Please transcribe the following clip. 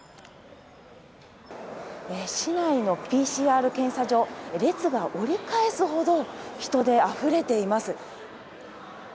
市内のＰＣＲ検査場、列が折り返すほど人であふれています。